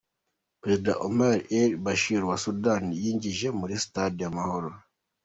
: Perezida Omar el Bashir wa Sudan yinjiye muri Stade Amahoro.